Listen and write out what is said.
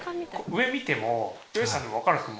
上見てもう余一さんでもわかるんですか？